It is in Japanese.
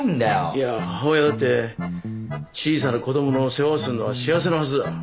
いや母親だって小さな子供の世話をするのは幸せなはずだ。